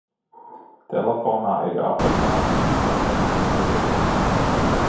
Telefonā ir aplikācija "Atrast mobilo".